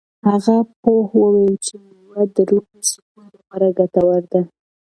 هغه پوه وویل چې مېوه د روحي سکون لپاره ګټوره ده.